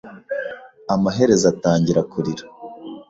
Amaherezo, atangira kurira.